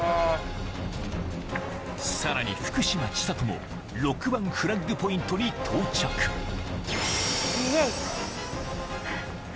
さらに福島千里も６番フラッグポイントに到着イェイ！